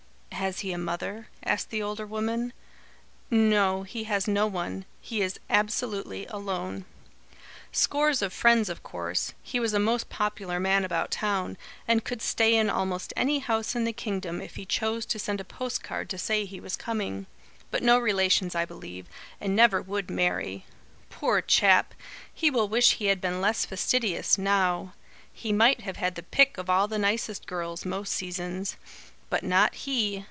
"Has he a mother?" asked the older woman. "No, he has no one. He is absolutely alone. Scores of friends of course; he was a most popular man about town, and could stay in almost any house in the kingdom if he chose to send a post card to say he was coming. But no relations, I believe, and never would marry. Poor chap! He will wish he had been less fastidious, now. He might have had the pick of all the nicest girls, most seasons. But not he!